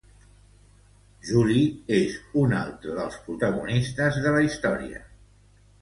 Julio és un altre dels protagonistes de la història.